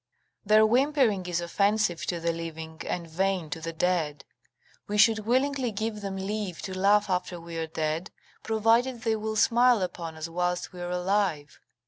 ] Their whimpering is offensive to the living and vain to the dead. We should willingly give them leave to laugh after we are dead, provided they will smile upon us whilst we are alive.